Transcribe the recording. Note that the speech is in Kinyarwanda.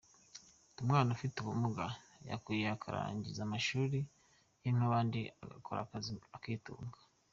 Ati “Umwana ufite ubumuga yakwiga akarangiza amashuri ye nk’abandi agakora akazi akitunga.